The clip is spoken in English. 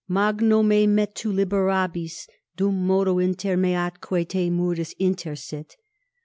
Magno me metu liberabis, dum modo inter me atque te murus intersit.